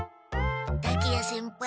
竹谷先輩